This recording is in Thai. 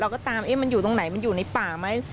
คอยถามไม่มามั้ย